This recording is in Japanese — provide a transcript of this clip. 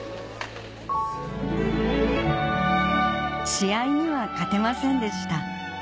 ・試合には勝てませんでした